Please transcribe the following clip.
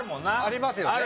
ありますよね。